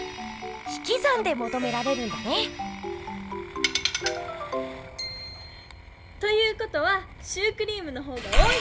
ひきざんでもとめられるんだね！ということはシュークリームの方が多い！